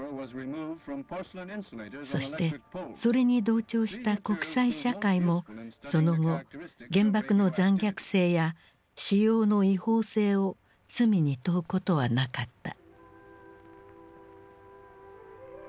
そしてそれに同調した国際社会もその後原爆の残虐性や使用の違法性を罪に問うことはなかった。